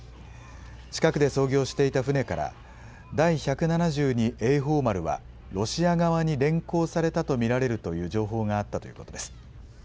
近くで操業していた船から、第１７２瑩寳丸はロシア側に連行されたと見られるという情報があったということです。